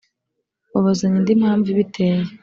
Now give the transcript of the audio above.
Babazanya indi mpamvu ibiteye.